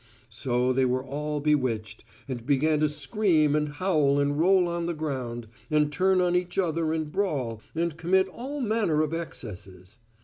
So they were all bewitched, and began to scream and howl and roll on the ground, and turn on each other and brawl, and `commit all manner of excesses.'